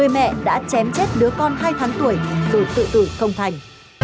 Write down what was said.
mẹ đã chém chết đứa con hai tháng tuổi tuổi tự tử không thành